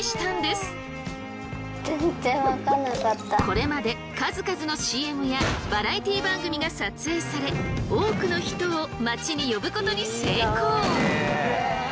これまで数々のＣＭやバラエティー番組が撮影され多くの人を町に呼ぶことに成功！